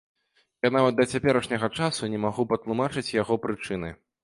Я нават да цяперашняга часу не магу патлумачыць яго прычыны.